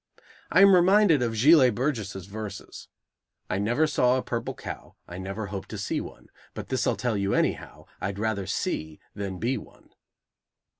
I am reminded of Gillet Burgess' verses: I never saw a purple cow, I never hope to see one, But this I'll tell you anyhow, I'd rather see than be one.